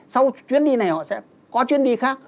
sau chuyến đi này họ sẽ có chuyến đi khác